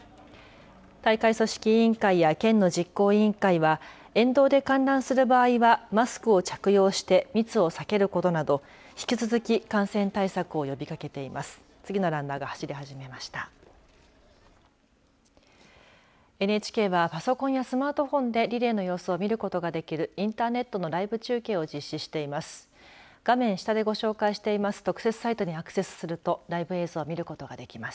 大会組織委員会や県の実行委員会は沿道で観覧する場合はマスクを着用して密を避けることなど引き続き感染対策を呼びかけています。